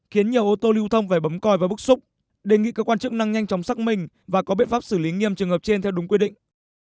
khiến nhiều ô tô lưu thông phải bấm coi và bức xúc đề nghị cơ quan chức năng nhanh chóng xác minh và có biện pháp xử lý nghiêm trường hợp trên theo đúng quy định